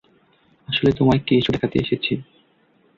আসলে, তোমায় কিছু দেখাতে এসেছি।